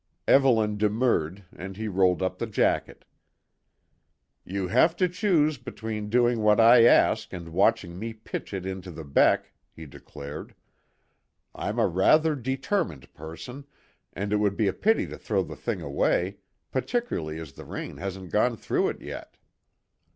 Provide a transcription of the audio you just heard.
Evelyn demurred, and he rolled up the jacket. "You have to choose between doing what I ask and watching me pitch it into the beck," he declared. "I'm a rather determined person, and it would be a pity to throw the thing away, particularly as the rain hasn't got through it yet."